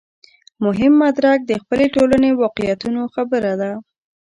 مهم مدرک د خپلې ټولنې واقعیتونو خبره ده.